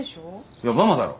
いやママだろ？